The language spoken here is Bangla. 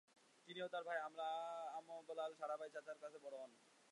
তিনি ও তার ভাই আমবলাল সারাভাই চাচার কাছে বড়ো হন।